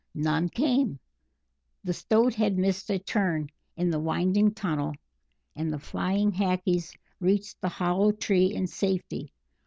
None came; the Stoat had missed a turn in the winding tunnel, and the flying Hackees reached the hollow tree in safety.